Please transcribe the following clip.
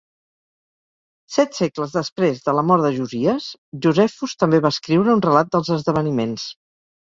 Set segles després de la mort de Josies, Josefus també va escriure un relat dels esdeveniments.